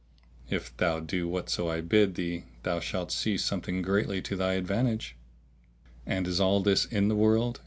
If thou do whatso I bid thee thou shalt see something greatly to thy advantage." "And is all this in the world?"